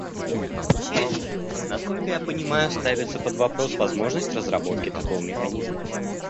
Опять же, насколько я пониманию, ставится под вопрос возможность разработки такого механизма.